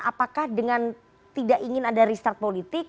apakah dengan tidak ingin ada restart politik